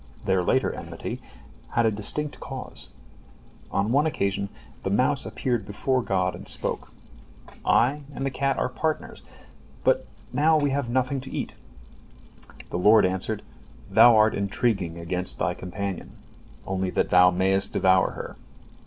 Their later enmity had a distinct cause. On one occasion the mouse appeared before God and spoke: "I and the cat are partners, but now we have nothing to eat." The Lord answered: "Thou art intriguing against thy companion, only that thou mayest devour her.